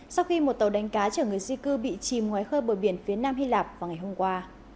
sau khi một tàu đánh cá chở người di cư bị chìm ngoài khơi bờ biển phía nam hy lạp vào ngày hôm qua